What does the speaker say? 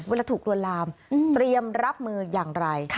เวลาถูกลวนลามเตรียมรับมืออย่างไร